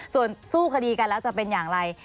ส่วนสู้คดีกันแล้วจะเป็นอย่างไร